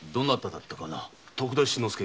徳田新之助。